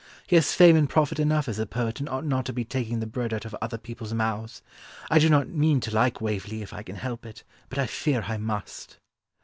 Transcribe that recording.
He has fame and profit enough as a poet and ought not to be taking the bread out of other people's mouths. I do not mean to like Waverley if I can help it, but I fear I must."